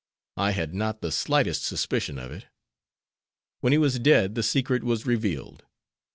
I had not the slightest suspicion of it. When he was dead the secret was revealed.